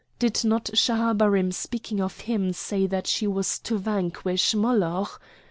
Did not Schahabarim in speaking of him say that she was to vanquish Moloch?